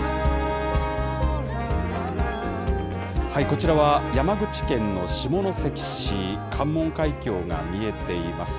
こちらは、山口県の下関市、関門海峡が見えています。